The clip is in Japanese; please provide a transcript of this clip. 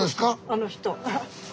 あの人。